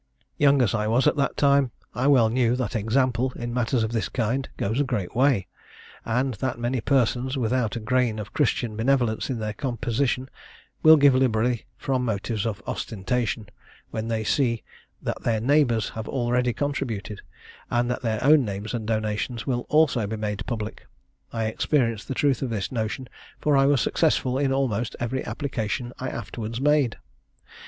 Young as I was at that time, I well knew that example, in matters of this kind, goes a great way; and that many persons, without a grain of Christian benevolence in their composition, will give liberally from motives of ostentation, when they see that their neighbours have already contributed, and that their own names and donations will also be made public. I experienced the truth of this notion, for I was successful in almost every application I afterwards made.